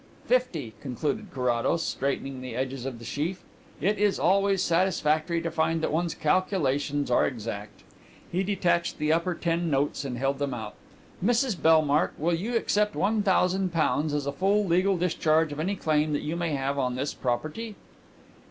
"Fifty," concluded Carrados, straightening the edges of the sheaf. "It is always satisfactory to find that one's calculations are exact." He detached the upper ten notes and held them out. "Mrs Bellmark, will you accept one thousand pounds as a full legal discharge of any claim that you may have on this property?"